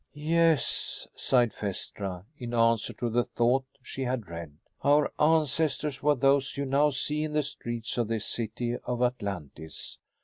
"Yes," sighed Phaestra, in answer to the thought she had read, "our ancestors were those you now see in the streets of this city of Atlantis.